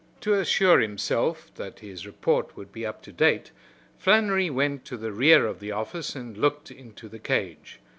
To assure himself that his report would be up to date, Flannery went to the rear of the office and looked into the cage.